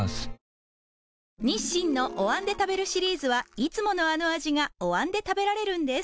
日清のお椀で食べるシリーズはいつものあの味がお椀で食べられるんです